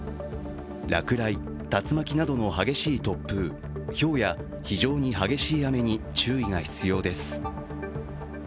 落雷、竜巻などの激しい突風ひょうや非常に激しい雨に注意が必要です。